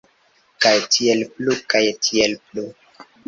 Kaj tiel plu, kaj tiel plu.